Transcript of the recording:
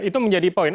itu menjadi poin